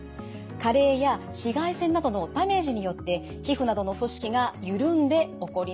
加齢や紫外線などのダメージによって皮膚などの組織が緩んで起こります。